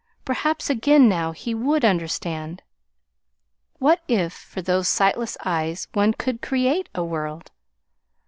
Perhaps again now he would understand. What if, for those sightless eyes, one could create a world?